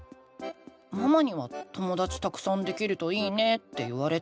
ママには「ともだちたくさんできるといいね」って言われたけど。